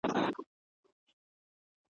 چي آواز به یې خپل قام لره ناورین وو ,